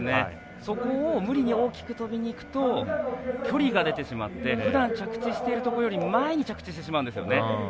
そこを無理に大きく飛びに行くと距離が出てしまってふだん着地しているところより前に着地してしまうんですね。